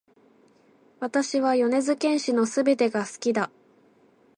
私は米津玄師の全てが好きだ